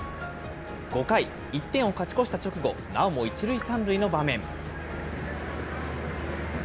５回、１点を勝ち越した直後、なおも１塁３塁の場面。